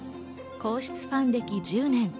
皇室ファン歴１０年。